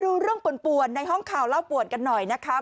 ดูเรื่องป่วนในห้องข่าวเล่าป่วนกันหน่อยนะคะ